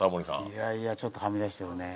いやいやちょっとはみ出してるね。